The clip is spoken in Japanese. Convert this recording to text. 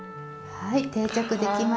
はい。